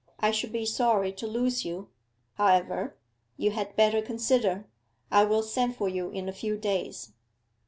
I should be sorry to lose you. However, you had better consider. I will send for you in a few days.